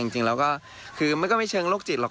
จริงแล้วก็คือมันก็ไม่เชิงโรคจิตหรอก